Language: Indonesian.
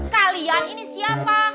kalian ini siapa